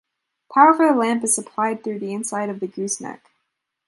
Power for the lamp is supplied through the inside of the gooseneck.